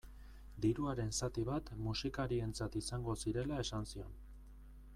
Diruaren zati bat musikarientzat izango zirela esan zion.